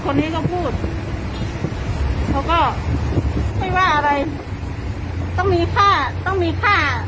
คนนี้ก็พูดเขาก็ไม่ว่าอะไรต้องมีค่าต้องมีค่า